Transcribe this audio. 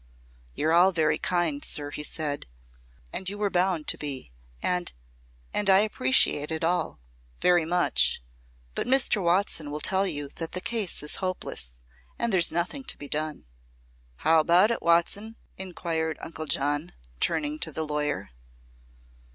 "You're all very kind, sir," he said, "as you were bound to be. And and I appreciate it all very much. But Mr. Watson will tell you that the case is hopeless, and there's nothing to be done." "How about it, Watson?" inquired Uncle John, turning to the lawyer.